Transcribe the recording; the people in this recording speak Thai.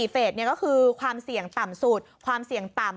เฟสก็คือความเสี่ยงต่ำสุดความเสี่ยงต่ำ